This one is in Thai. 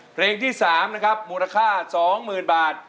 เพลงที่๓นะครับมูลค่า๒๐๐๐บาท